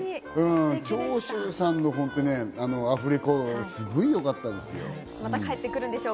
長州さんのアフレコ、すごいよかったです。